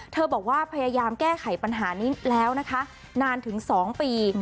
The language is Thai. บอกว่าพยายามแก้ไขปัญหานี้แล้วนะคะนานถึง๒ปี